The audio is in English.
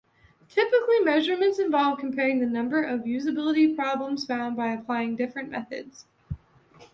Typically measurements involve comparing the number of usability problems found by applying different methods.